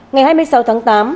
ngày hai mươi sáu tháng tám